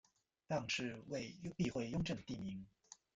当是为避讳雍正帝名。